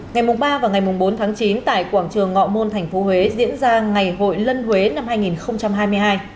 ngày ba và ngày bốn tháng chín tại quảng trường ngọ môn tp huế diễn ra ngày hội lân huế năm hai nghìn hai mươi hai